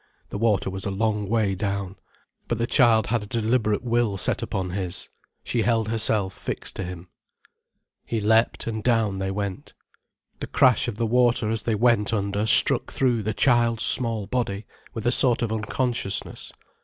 The water was a long way down. But the child had a deliberate will set upon his. She held herself fixed to him. He leapt, and down they went. The crash of the water as they went under struck through the child's small body, with a sort of unconsciousness.